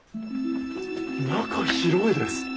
中広いです。